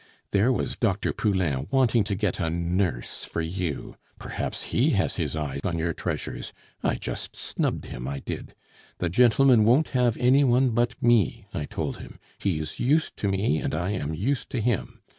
There was Dr. Poulain wanting to get a nurse for you; perhaps he has his eye on your treasures. I just snubbed him, I did. 'The gentleman won't have any one but me,' I told him. 'He is used to me, and I am used to him.